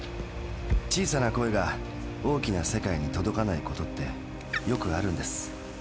小さな声が大きな世界に届かないことってよくあるんです。